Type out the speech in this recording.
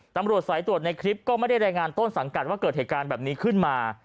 ตำรวจสายตรวจในคลิปก็ไม่ได้รายงานต้นสังกัดว่าเกิดเหตุการณ์แบบนี้ขึ้นมา